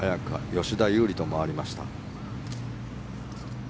吉田優利と回りました。